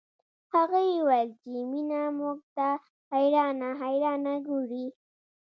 هغې وويل چې مينه موږ ته حيرانه حيرانه ګوري